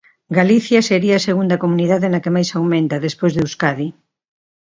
Galicia sería a segunda comunidade na que máis aumenta, despois de Euskadi.